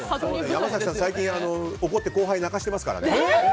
山崎さん、最近怒って後輩泣かせてますからね。